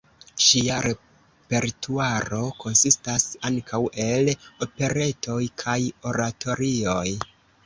Ŝia repertuaro konsistas ankaŭ el operetoj kaj oratorioj.